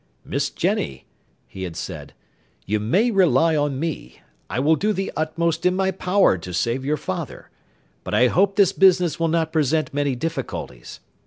"Miss Jenny," he had said, "you may rely on me; I will do the utmost in my power to save your father, but I hope this business will not present many difficulties.